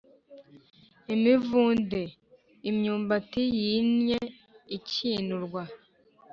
imivunde: imyumbati yinnye ikinurwa.